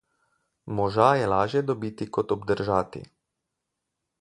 Moža je lažje dobiti kot obdržati.